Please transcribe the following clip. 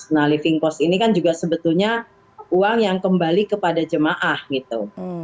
nah living cost ini kan juga sebetulnya uang yang kembali kepada jemaah gitu